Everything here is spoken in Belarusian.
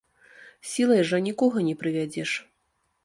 Сілай жа нікога не прывядзеш.